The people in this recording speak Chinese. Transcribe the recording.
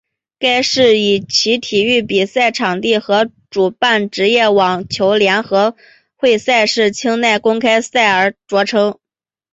该市以其体育比赛场地和主办职业网球联合会赛事清奈公开赛着称。